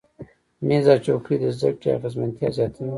میز او چوکۍ د زده کړې اغیزمنتیا زیاتوي.